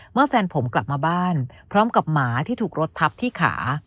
แฟนผมกลับมาบ้านพร้อมกับหมาที่ถูกรถทับที่ขา